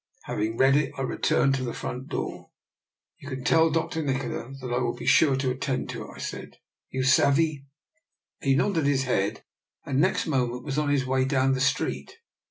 Having read it, I returned to the front door. " You can tell Dr. Nikola that I will be sure to attend to it," I said. " You savee? " He nodded his head, and next moment was on his way down the street.